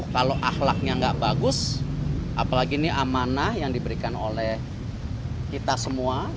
kalau ahlaknya nggak bagus apalagi ini amanah yang diberikan oleh kita semua